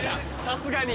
さすがに。